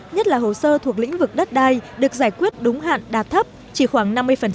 nhất là hồ sơ thuộc lĩnh vực đất đai được giải quyết đúng hạn đạt thấp chỉ khoảng năm mươi